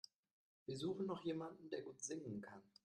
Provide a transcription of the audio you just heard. Wir suchen noch jemanden, der gut singen kann.